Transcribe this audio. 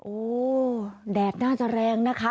โอ้แดดน่าจะแรงนะคะ